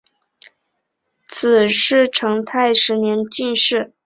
子裴栻是成泰十年进士。